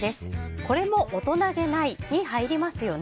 これも大人げないに入りますよね。